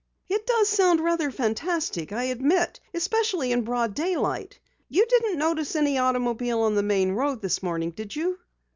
"It does sound rather fantastic, I admit. Especially in broad daylight. You didn't notice any automobile on the main road this morning did you?"